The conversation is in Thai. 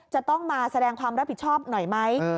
จะต้องมาแสดงความรับผิดชอบหน่อยไหม